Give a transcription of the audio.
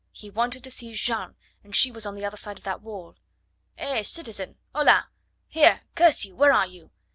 He wanted to see Jeanne, and she was the other side of that wall. "He, citizen! Hola! Here! Curse you! Where are you?"